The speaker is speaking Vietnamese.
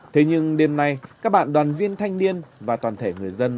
thế nhưng đêm nay các bạn đoàn viên thanh niên và toàn thể người dân